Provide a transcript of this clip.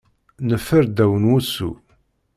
Neffer ddaw n wussu.